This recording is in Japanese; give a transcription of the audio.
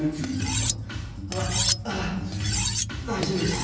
あっううっ大丈夫です。